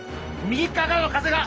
右側からの風が。